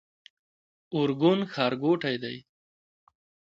ارګون ښارګوټی دی؟